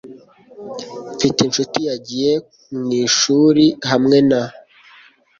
Mfite inshuti yagiye mwishuri hamwe na .